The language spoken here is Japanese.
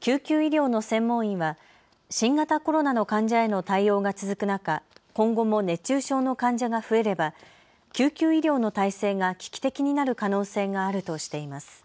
救急医療の専門医は新型コロナの患者への対応が続く中、今後も熱中症の患者が増えれば救急医療の体制が危機的になる可能性があるとしています。